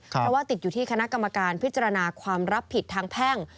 เพราะว่าติดอยู่ที่คณะกรรมการพิจารณาความรับผิดทางแพ่ง